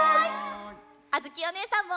あづきおねえさんも。